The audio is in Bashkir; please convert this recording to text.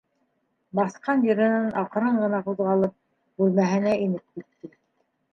Баҫҡан еренән аҡрын ғына ҡуҙғалып, бүлмәһенә инеп китте.